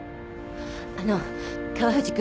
あの川藤君。